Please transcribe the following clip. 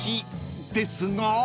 ［ですが］